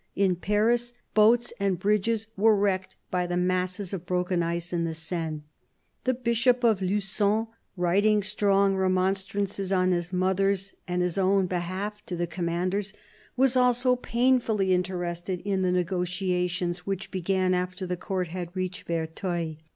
In Paris, boats and bridges were wrecked by the masses of broken ice in the Seine. The Bishop of Lugon, writing strong remonstrances on his mother's and his own behalf to the commanders, was also painfully interested in the negotiations which began after the Court had reached Verteuil.